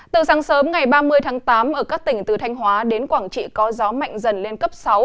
từ sáng sớm ngày ba mươi tháng tám ở các tỉnh từ thanh hóa đến quảng trị có gió mạnh dần lên cấp sáu